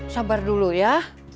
sabar dulu ya